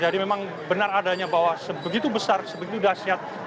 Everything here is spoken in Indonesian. jadi memang benar adanya bahwa sebegitu besar sebegitu dahsyat